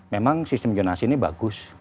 memang sistem zonasi ini bagus